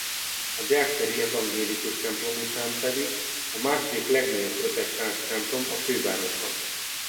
A Deák téri evangélikus templom után pedig a második legnagyobb protestáns templom a fővárosban.